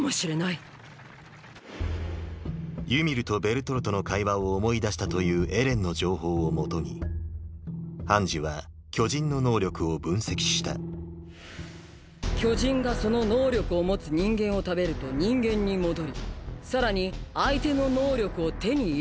ユミルとベルトルトの会話を思い出したというエレンの情報をもとにハンジは巨人の能力を分析した巨人がその能力を持つ人間を食べると人間に戻りさらに相手の能力を手に入れるんだ。